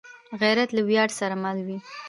غیرت له ویاړ سره مل وي